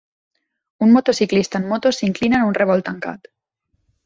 Un motociclista en moto s'inclina en un revolt tancat.